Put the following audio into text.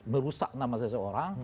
merusak nama seseorang